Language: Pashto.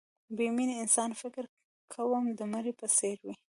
بې مینې انسان فکر کوم د مړي په څېر وي